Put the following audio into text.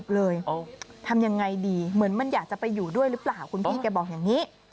เก็บมาเลี้ยงในโอ่ง